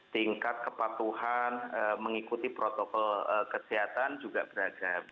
tingkat kepatuhan mengikuti protokol kesehatan juga beragam